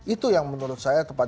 itu yang menurut saya tepat